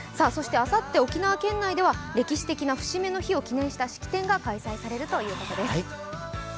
あさって沖縄県内では歴史的な節目の日を記念した式典が行われるということです。